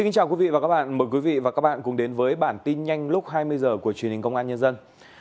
chào mừng quý vị đến với bản tin nhanh lúc hai mươi h của truyền hình công an nhân dân